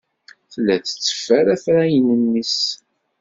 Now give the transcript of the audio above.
Tella tetteffer afrayen-nnes.